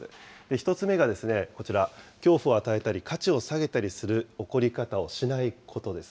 １つ目がこちら、恐怖を与えたり、価値を下げたりする怒り方をしないことです。